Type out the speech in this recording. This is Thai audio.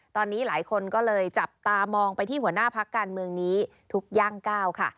ตอนนี้หลายคนก็เลยจับตามองไปที่หัวหน้าพักการเมืองนี้ทุกย่างก้าวค่ะ